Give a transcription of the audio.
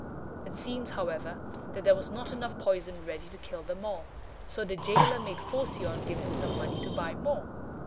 It seems, however, that there was not enough poison ready to kill them all, so the jailer made Phocion give him some money to buy more.